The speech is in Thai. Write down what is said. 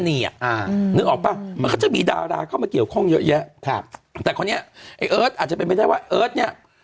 น้องนักแสดงก็ต้องมากัน